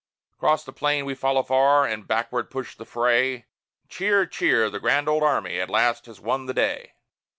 Across the plain we follow far and backward push the fray; Cheer! cheer! the grand old Army at last has won the day!